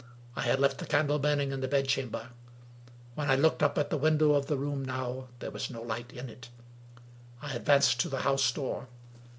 I had left the candle burning in the bedchamber. When I looked up to the window of the room now, there was no light in it. I advanced to the house door.